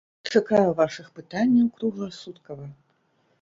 Чакаю вашых пытанняў кругласуткава!